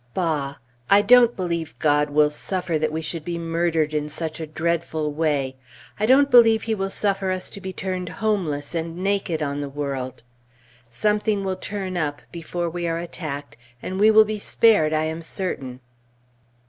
Bah! I don't believe God will suffer that we should be murdered in such a dreadful way! I don't believe He will suffer us to be turned homeless and naked on the world! "Something will turn up" before we are attacked, and we will be spared, I am certain.